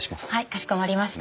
かしこまりました。